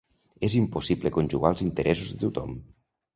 És impossible conjugar els interessos de tothom.